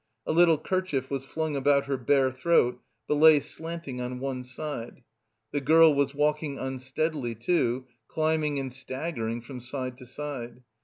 A little kerchief was flung about her bare throat, but lay slanting on one side. The girl was walking unsteadily, too, stumbling and staggering from side to side.